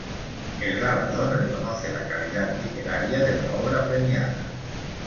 El galardón reconoce la calidad literaria de la obra premiada.